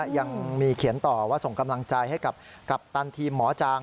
ยังมีเขียนต่อว่าส่งกำลังใจให้กับกัปตันทีมหมอจาง